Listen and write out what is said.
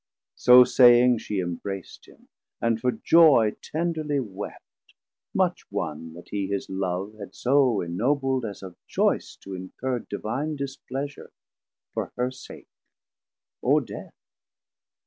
So saying, she embrac'd him, and for joy 990 Tenderly wept, much won that he his Love Had so enobl'd, as of choice to incurr Divine displeasure for her sake, or Death.